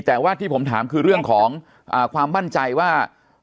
แต่ว่าที่ผมถามคือเรื่องของความมั่นใจว่า